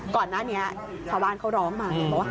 ก่อนนั้นเนี่ยขวานเขาร้องมาเห็นป่ะ